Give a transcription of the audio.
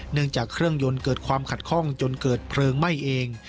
จากเครื่องยนต์เกิดความขัดข้องจนเกิดเพลิงไหม้เอง